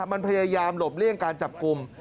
มันพยายามหลบเลี่ยงการจับกลุ่ม